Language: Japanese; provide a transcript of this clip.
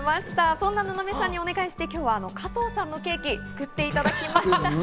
そんな布目さんにお願いして、今日は加藤さんのケーキを作ってもらいました。